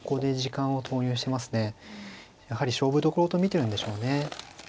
やはり勝負どころと見てるんでしょうね。